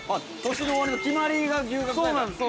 ◆年の終わりの決まりが牛角なんですか。